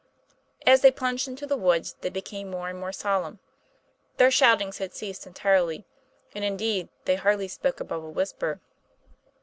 As they plunged into the woods they became more and more solemn; their shoutings had ceased en tirely, and, indeed, they hardly spoke above a whisper.